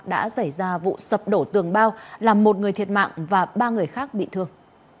đã xảy ra vụ sập đổ tường bao làm một người thiệt mạng và ba người khác bị thương